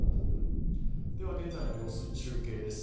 では現在の様子、中継です。